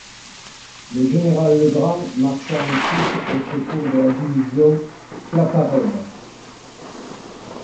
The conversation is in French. Le général Legrand marcha ensuite au secours de la division Claparède.